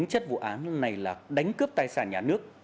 chạy đi trước